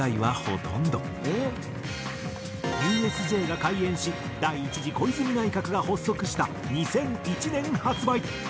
ＵＳＪが開園し第１次小泉内閣が発足した２００１年発売。